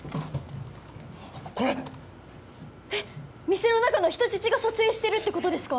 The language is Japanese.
店の中の人質が撮影してるってことですか？